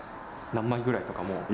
何枚ぐらいとか？